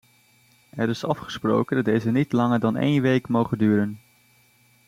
Er is afgesproken dat deze niet langer dan één week mogen duren.